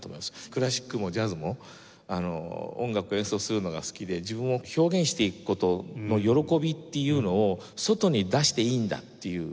クラシックもジャズも音楽を演奏するのが好きで自分を表現していく事の喜びっていうのを外に出していいんだっていう。